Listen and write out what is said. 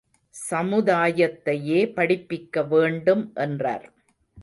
சமுதாயத்தையே படிப்பிக்க வேண்டும் என்றார்.